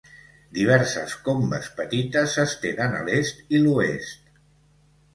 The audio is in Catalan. Diverses combes petites s'estenen a l'est i l'oest.